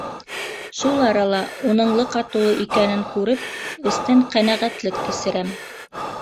Шул арала уның лыҡа тулы икәнен күреп эстән ҡәнәғәтлек кисерәм.